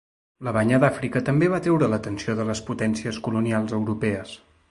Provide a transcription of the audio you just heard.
La Banya d'Àfrica també va atraure l'atenció de les potències colonials europees.